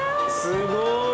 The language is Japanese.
すごい！